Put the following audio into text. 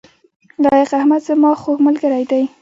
لائق احمد زما خوږ ملګری دی